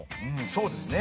そうですね。